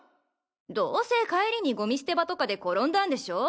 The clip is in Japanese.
どせ帰りにゴミ捨て場とかで転んだんでしょ。